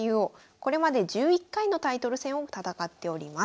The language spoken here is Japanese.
これまで１１回のタイトル戦を戦っております。